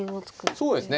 そうですね。